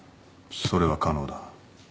それは可能だ。